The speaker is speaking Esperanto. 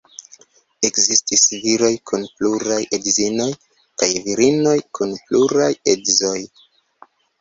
Ekzistis viroj kun pluraj edzinoj, kaj virinoj kun pluraj edzoj.